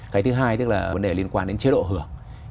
cái thứ hai tức là vấn đề liên quan đến chế độ hưởng